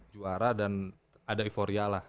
juara dan ada euforia lah